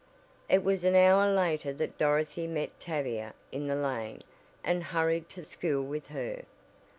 It was an hour later that Dorothy met Tavia in the lane and hurried to school with her.